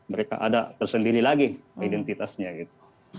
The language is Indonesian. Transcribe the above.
mereka ada tersendiri lagi identitasnya gitu